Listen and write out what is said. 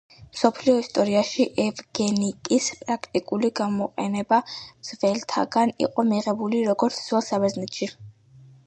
მსოფლიო ისტორიაში ევგენიკის პრაქტიკული გამოყენება ძველთაგან იყო მიღებული, როგორც ძველ საბერძნეთში.